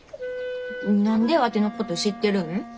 何でワテのこと知ってるん？